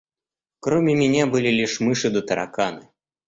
Кроме меня были лишь мыши да тараканы.